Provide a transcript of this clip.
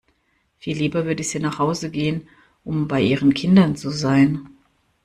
Viel lieber würde sie nach Hause gehen, um bei ihren Kindern zu sein.